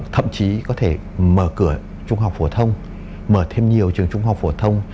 thậm chí có thể mở cửa trung học phổ thông mở thêm nhiều trường trung học phổ thông